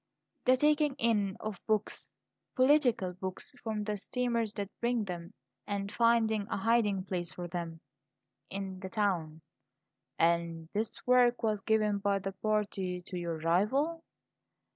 "The taking in of books political books from the steamers that bring them and finding a hiding place for them in the town " "And this work was given by the party to your rival?"